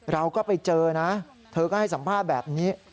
เราก็ไปเจอนะเธอก็ให้สัมภาษณ์แบบนี้